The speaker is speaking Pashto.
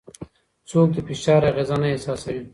څوک د فشار اغېزه نه احساسوي؟